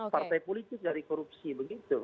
partai politik dari korupsi begitu